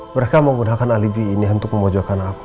mereka menggunakan alibi ini untuk memojokkan aku